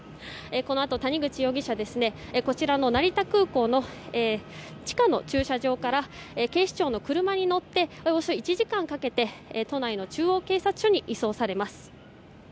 このあと谷口容疑者成田空港の地下の駐車場から警視庁の車に乗っておよそ１時間かけて都内の中央警察署に移送されます。